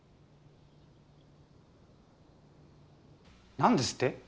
何ですって？